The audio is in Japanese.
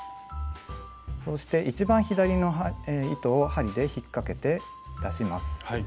そして一番左の糸を針で引っかけて出します。